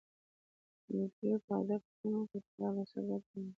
انډریو په ادب پوښتنه وکړه چې دا به څه ګټه ولري